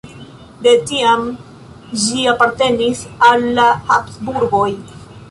De tiam ĝi apartenis al la Habsburgoj.